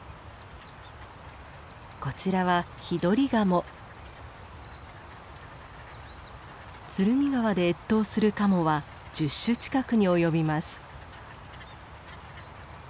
こちらは鶴見川で越冬するカモは１０種近くに及びます。